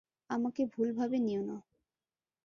আমাকে ভুলভাবে নিও না।